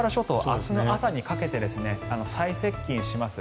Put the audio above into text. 明日の朝にかけて最接近します。